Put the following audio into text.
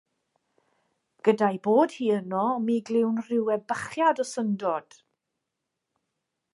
Gyda'i bod hi yno, mi glywn rhyw ebychiad o syndod.